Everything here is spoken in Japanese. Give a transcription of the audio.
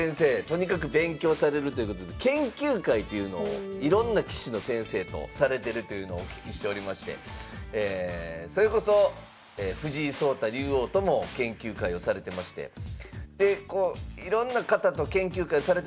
とにかく勉強されるということで研究会というのをいろんな棋士の先生とされてるというのをお聞きしておりましてそれこそ藤井聡太竜王とも研究会をされてましてでこういろんな方と研究会されてる中